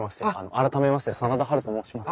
改めまして真田ハルと申します。